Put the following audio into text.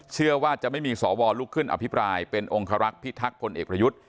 เชื่อว่าจะไม่มีสวลุกขึ้นอภิปรายเป็นองคารักษ์พิทักษ์พลเอกประยุทธ์